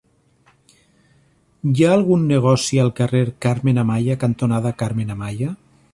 Hi ha algun negoci al carrer Carmen Amaya cantonada Carmen Amaya?